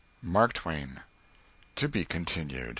MARK TWAIN. (_To be Continued.